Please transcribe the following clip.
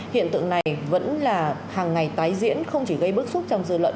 hiện tượng này vẫn là hàng ngày tái diễn không chỉ gây bức xúc trong dư luận